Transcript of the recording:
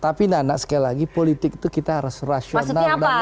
tapi nana sekali lagi politik itu kita harus rasional